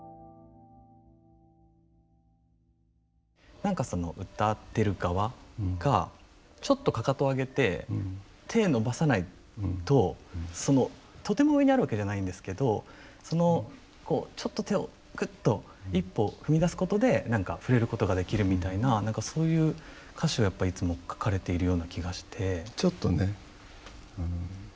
何かその歌ってる側がちょっとかかとを上げて手伸ばさないとそのとても上にあるわけじゃないんですけどちょっと手をくっと一歩踏み出すことで触れることができるみたいなそういう歌詞をやっぱいつも書かれているような気がして。